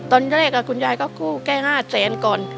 ตอนแรกคุณยายก็กู้แก้๕เซนค่ะ